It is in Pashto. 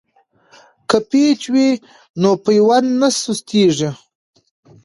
که پیچ وي نو پیوند نه سستیږي.